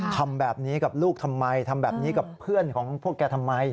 ทำแบบนี้กับลูกทำไมทำแบบนี้กับเพื่อนของพวกแกทำไม